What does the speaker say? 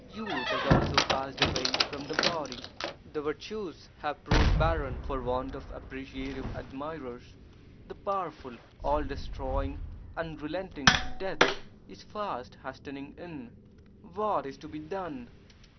Youth has also passed away from the body. The virtues have proved barren for want of appreciative admirers. The powerful, all destroying, unrelenting Death is fast hastening in! What is to be done?